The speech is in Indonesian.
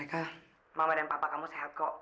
kenapa lagi sih